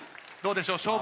どうでしょう？